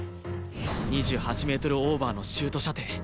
２８メートルオーバーのシュート射程。